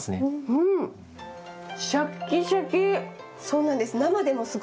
そうなんです。